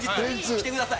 来てください！